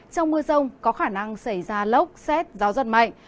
trong mưa rông có khả năng xảy ra lốc xét gió giật mạnh